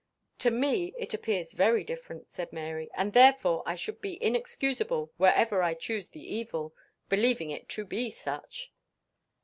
"To me it appears very different," said Mary; "and therefore I should be inexcusable were I to choose the evil, believing it to be such."